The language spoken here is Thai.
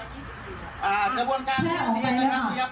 มาห้าร้อยกิโลกรัมมือนี้นะครับอ่าจับวนการเทียดนะครับ